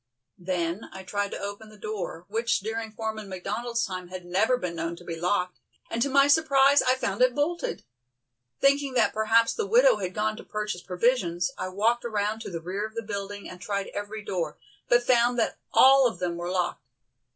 Then I tried to open the door, which during Foreman McDonald's time had never been known to be locked, and to my surprise I found it bolted. Thinking that perhaps the widow had gone to purchase provisions, I walked around to the rear of the building and tried every door, but found that all of them were locked.